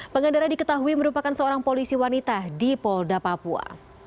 pengendara diketahui merupakan seorang polisi wanita di polda papua